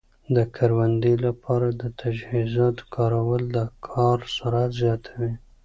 د کروندې لپاره د تجهیزاتو کارول د کار سرعت زیاتوي.